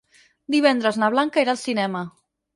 Divendres na Blanca irà al cinema.